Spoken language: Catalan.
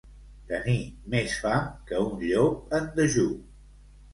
Tenir més fam que un llop en dejú.